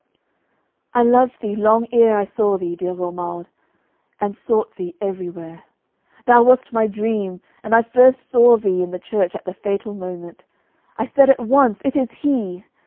'I loved thee long ere I saw thee, dear Romuald, and sought thee everywhere. Thou wast my dream, and I first saw thee in the church at the fatal moment. I said at once, "It is he!"